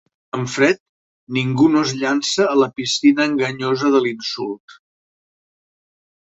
En fred, ningú no es llança a la piscina enganyosa de l'insult.